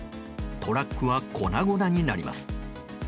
トラックは粉々になります。